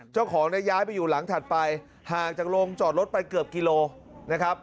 เจ้าของได้ย้ายไปอยู่หลังถัดไปห่างจากโรงจอดรถไปเกือบกิโลนะครับ